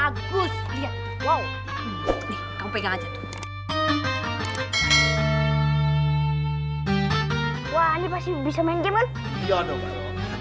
wah ini pasti bisa main game kan